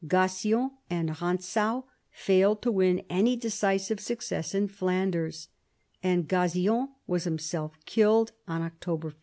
Gassion and Rantzau failed to win any decisive success in Flanders, and Gassion was himself killed on October 5.